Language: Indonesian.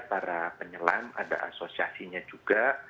para penyelam ada asosiasinya juga